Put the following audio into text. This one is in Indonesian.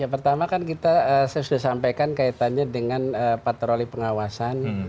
ya pertama kan kita saya sudah sampaikan kaitannya dengan patroli pengawasan